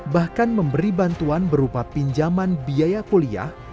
bahkan memberi bantuan berupa pinjaman biaya kuliah